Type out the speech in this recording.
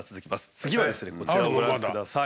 次はですねこちらをご覧ください。